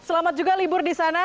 selamat juga libur di sana